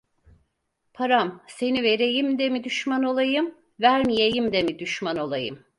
Param seni vereyim de mi düşman olayım, vermeyeyim de mi düşman olayım?